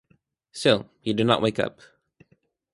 Still he did not wake up.